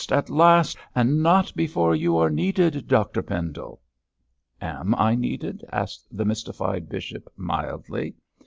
at last! and not before you are needed, Dr Pendle.' 'Am I needed?' asked the mystified bishop, mildly.